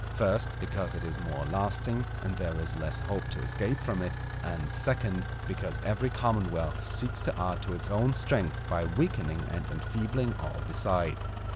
First, because it is more lasting, and there is less hope to escape from it; and, second, because every commonwealth seeks to add to its own strength by weakening and enfeebling all beside.